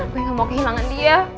gue gak mau kehilangan dia